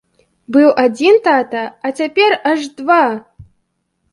Быў адзін тата, а цяпер аж два!